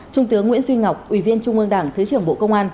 trung tướng nguyễn duy ngọc ủy viên trung ương đảng thứ trưởng bộ công an